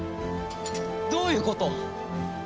どういうこと！？